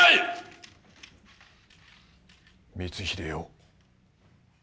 光秀よ。